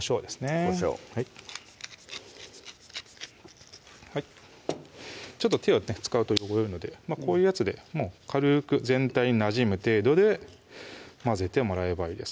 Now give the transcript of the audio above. こしょうちょっと手を使うと汚れるのでこういうやつで軽く全体なじむ程度で混ぜてもらえばいいです